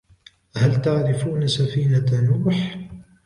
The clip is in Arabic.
هل تعرفون سفينة نوح؟